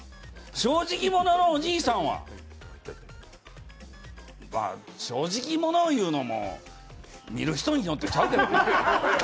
正直者のおじいさんは正直者いうのも見る人によってちゃうけど。